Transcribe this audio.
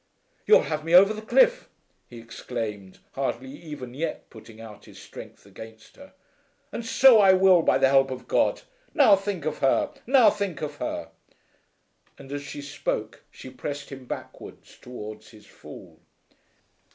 "You'll have me over the cliff," he exclaimed hardly even yet putting out his strength against her. "And so I will, by the help of God. Now think of her! Now think of her!" And as she spoke she pressed him backwards towards his fall.